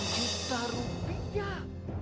sepuluh juta rupiah